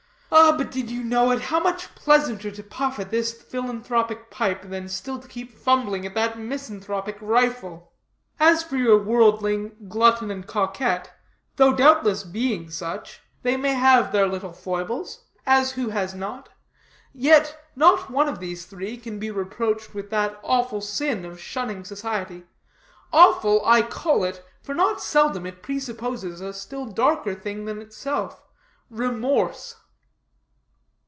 Ah, did you but know it, how much pleasanter to puff at this philanthropic pipe, than still to keep fumbling at that misanthropic rifle. As for your worldling, glutton, and coquette, though, doubtless, being such, they may have their little foibles as who has not? yet not one of the three can be reproached with that awful sin of shunning society; awful I call it, for not seldom it presupposes a still darker thing than itself remorse."